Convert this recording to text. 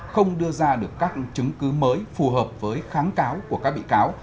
không đưa ra được các chứng cứ mới phù hợp với kháng cáo của các bị cáo